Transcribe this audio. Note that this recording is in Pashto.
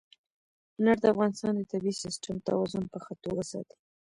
انار د افغانستان د طبعي سیسټم توازن په ښه توګه ساتي.